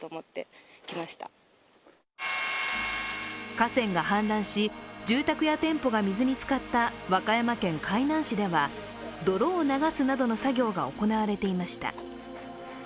河川が氾濫し、住宅や店舗が水につかった和歌山県海南市では泥を流すなどの作業が行われていました。